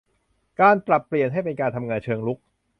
ปรับเปลี่ยนให้เป็นการทำงานเชิงรุก